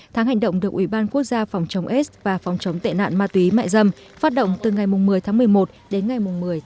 tháng hành động được ủy ban quốc gia phòng chống aids và phòng chống tệ nạn ma túy mại dâm phát động từ ngày một mươi một mươi một đến ngày một mươi một mươi hai